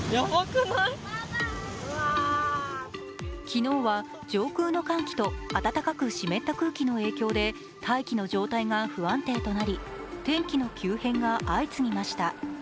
昨日は上空の寒気と温かく湿った空気の影響で大気の状態が不安定となり天気の急変が相次ぎました。